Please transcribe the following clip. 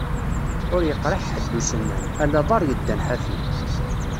Ur yeqriḥ ḥedd usennan, ala aḍar yeddan ḥafi.